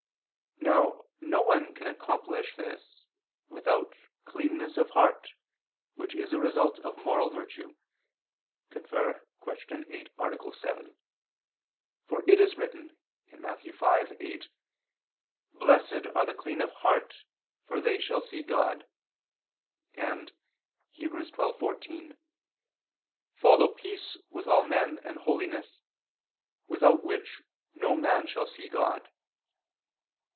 Now no one can accomplish this without cleanness of heart, which is a result of moral virtue [*Cf. Q. 8, A. 7]. For it is written (Matt. 5:8): "Blessed are the clean of heart, for they shall see God": and (Heb. 12:14): "Follow peace with all men, and holiness, without which no man shall see God."